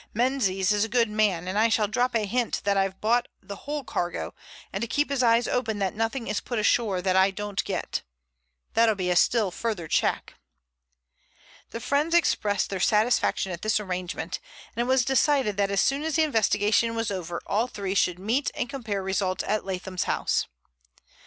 Menzies is a good man, and I shall drop a hint that I've bought the whole cargo, and to keep his eyes open that nothing is put ashore that I don't get. That'll be a still further check." The friends expressed their satisfaction at this arrangement, and it was decided that as soon as the investigation was over all three should meet and compare results at Leatham's house.